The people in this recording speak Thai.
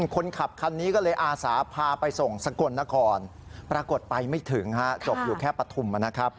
คนขับคันนี้ก็เลยอาสาพาไปส่งสกลนครปรากฏไปไม่ถึงฮะจบอยู่แค่ปฐุมนะครับ